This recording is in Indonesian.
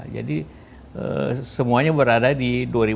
jadi semuanya berada di dua ribu dua puluh satu